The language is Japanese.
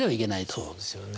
そうですよね。